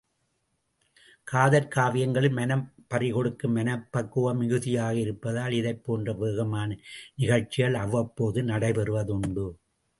காதற் காவியங்களில் மனம் பறிகொடுக்கும் மனப்பக்குவம் மிகுதியாக இருப்பதால் இதைப் போன்ற வேகமான நிகழ்ச்சிகள் அவ்வப்போது நடைபெறுவது உண்டு.